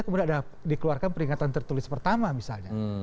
kemudian ada dikeluarkan peringatan tertulis pertama misalnya